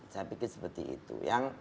saya pikir seperti itu